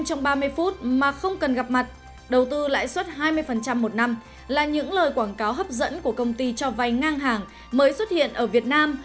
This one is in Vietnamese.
trong ba mươi phút mà không cần gặp mặt đầu tư lãi suất hai mươi một năm là những lời quảng cáo hấp dẫn của công ty cho vay ngang hàng mới xuất hiện ở việt nam